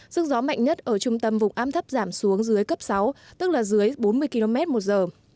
sức gió mạnh nhất ở trung tâm vùng áp thấp giảm xuống dưới cấp sáu tức là dưới bốn mươi km một giờ